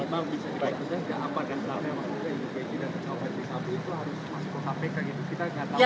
bisa dibayar itu saja